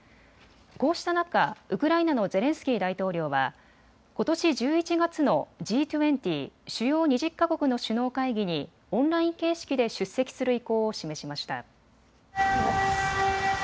こうした中、ウクライナのゼレンスキー大統領はことし１１月のＧ２０・主要２０か国の首脳会議にオンライン形式で出席する意向を示しました。